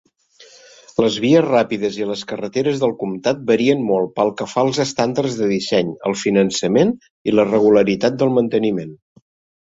Les vies ràpides i les carreteres del comtat varien molt pel que fa als estàndards de disseny, el finançament i la regularitat del manteniment.